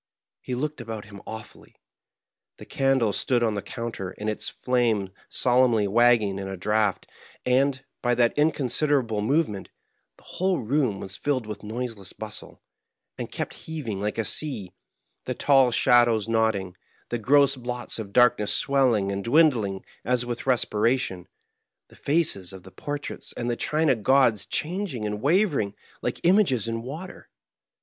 He looked about him awfully. The candle stood on the counter, its flame solemnly wagging in a draught; and, by that inconsiderable movement, the whole room was filled with noiseless bustle, and kept heaving like a sea; the tall shadows nodding, the gross blots of darkness swelling and dwindling as with respiration, the faces of the por traits and the china gods changing and wavering like images in water.